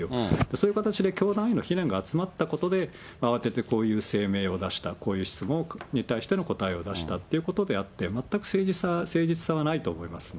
そういう形で教団への非難が集まったことで、慌ててこういう声明を出した、こういう質問に対しての答えを出したということであって、しかし、